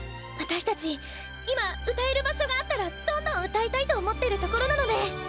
私たち今歌える場所があったらどんどん歌いたいと思ってるところなので！